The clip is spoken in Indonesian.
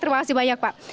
terima kasih banyak pak